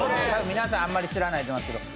皆さんあまり知らないと思うんですけどね